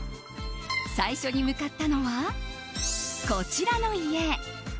最初に向かったのはこちらの家。